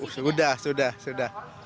sudah diberikan vaksinasi